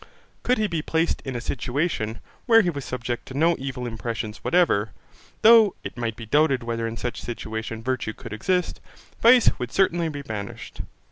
Could he be placed in a situation, where he was subject to no evil impressions whatever, though it might be doubted whether in such a situation virtue could exist, vice would certainly be banished.